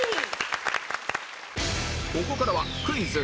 ここからはクイズ！